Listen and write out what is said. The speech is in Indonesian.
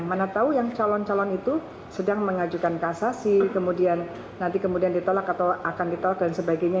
mana tahu yang calon calon itu sedang mengajukan kasasi kemudian nanti kemudian ditolak atau akan ditolak dan sebagainya